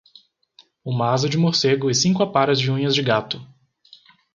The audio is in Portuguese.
uma asa de morcego e cinco aparas de unhas de gato.